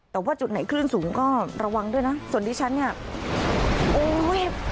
แต่ว่าจุดไหนคลื่นสูงก็ระวังด้วยนะส่วนดิฉันเนี่ยโอ้ย